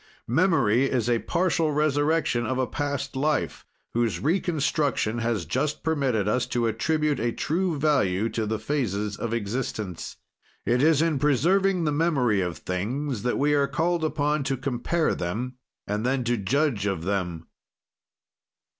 "Memory is a partial resurrection of a past life, whose reconstruction has just permitted us to attribute a true value to the phases of existence. "It is in preserving the memory of things that we are called upon to compare them and then to judge of them.